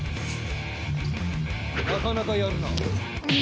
なかなかやるなお前。